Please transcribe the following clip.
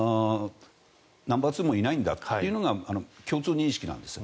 ナンバーツーもいないんだというのが共通認識なんです。